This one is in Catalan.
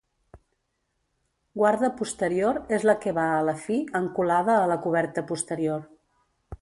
Guarda posterior, és la que va a la fi, encolada a la coberta posterior.